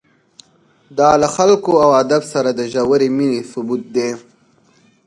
دا له خلکو او ادب سره د ژورې مینې ثبوت دی.